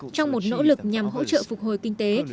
trong một nỗ lực nhằm hỗ trợ phục hồi kinh tế